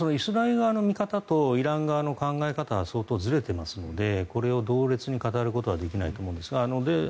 もちろんイスラエル側の見方とイラン側の考え方は相当ずれていますのでこれを同列に語ることはできないんだと思います。